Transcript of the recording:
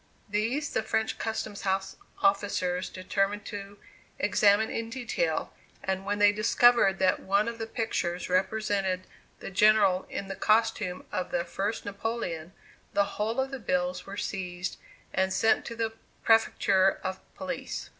These the French custom house officers determined to examine in detail, and when they discovered that one of the pictures represented the General in the costume of the First Napoleon, the whole of the bills were seized and sent to the Prefecture of Police.